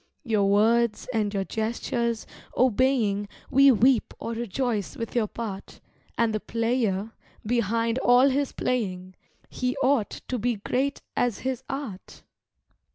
Your words and your gestures obeying We weep or rejoice with your part, And the player, behind all his playing, He ought to be great as his art.